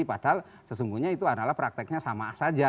padahal sesungguhnya itu adalah prakteknya sama saja